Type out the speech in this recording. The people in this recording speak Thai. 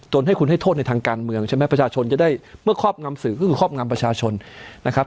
ให้คุณให้โทษในทางการเมืองใช่ไหมประชาชนจะได้เมื่อครอบงำสื่อก็คือครอบงำประชาชนนะครับ